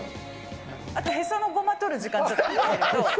あと、へそのごま取る時間ちょっと欲しいけど。